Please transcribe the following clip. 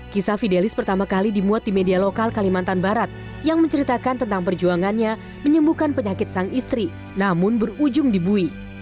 kisah fidelis pertama kali dimuat di media lokal kalimantan barat yang menceritakan tentang perjuangannya menyembuhkan penyakit sang istri namun berujung dibui